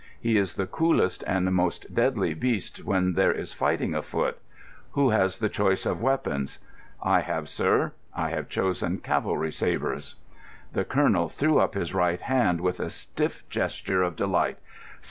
He is the coolest and most deadly beast when there is fighting afoot. Who has the choice of weapons?" "I have, sir; I have chosen cavalry sabres." The colonel threw up his right hand with a stiff gesture of delight.